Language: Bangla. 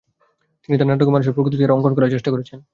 তিনি তাঁর নাটকে মানুষের প্রকৃত চেহারা অংকন করার চেষ্টা করেছেন।